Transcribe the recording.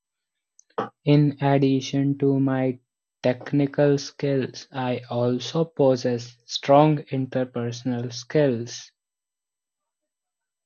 In addition to my technical skills, I also possess strong interpersonal skills.